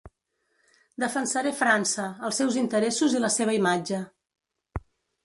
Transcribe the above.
Defensaré França, els seus interessos i la seva imatge.